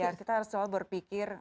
ya kita harus selalu berpikir